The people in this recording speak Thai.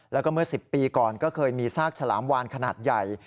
แล้วก็เมื่อ๑๐ปีก่อนก็เคยมีซากฉลามวานขนาดใหญ่